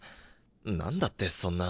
何だってそんな。